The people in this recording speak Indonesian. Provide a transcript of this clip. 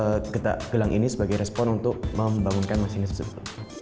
dan alat ini akan menggitarkan gelang ini sebagai respon untuk membangunkan masinis tersebut